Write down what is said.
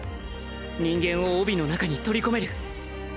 人間を帯の中に取り込める